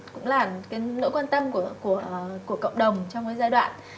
cũng là nỗi quan tâm của cộng đồng trong giai đoạn